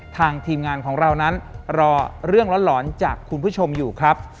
ทีมงานของเรานั้นรอเรื่องร้อนจากคุณผู้ชมอยู่ครับ